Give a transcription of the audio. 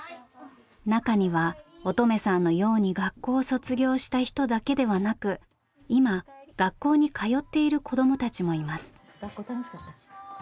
中には音十愛さんのように学校を卒業した人だけではなく今学校に通っている子どもたちもいます。